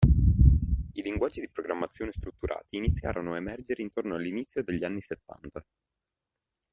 I linguaggi di programmazione strutturati iniziarono a emergere intorno all'inizio degli anni settanta.